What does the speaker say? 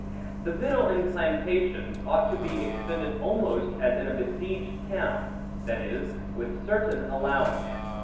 The victual in plantations, ought to be expended almost as in a besieged town; that is, with certain allowance.